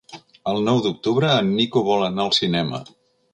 El nou d'octubre en Nico vol anar al cinema.